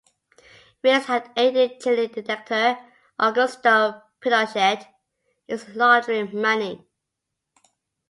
Riggs had aided Chilean dictator Augusto Pinochet in laundering money.